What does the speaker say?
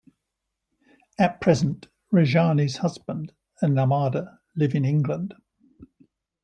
At present Rajani's husband and Narmada live in England.